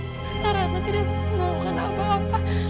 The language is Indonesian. saya harapnya tidak bisa melakukan apa apa